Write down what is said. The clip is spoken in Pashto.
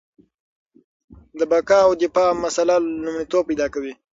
د بقا او دفاع مسله لومړیتوب پیدا کوي.